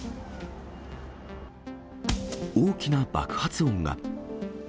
大きな爆発音が。